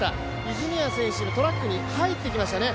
泉谷選手がトラックに入ってきましたね。